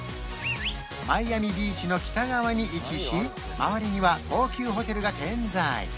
マイアミビーチの北側に位置し周りには高級ホテルが点在